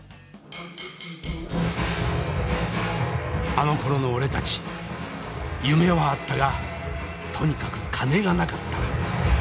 あのころの俺たち夢はあったがとにかく金がなかった。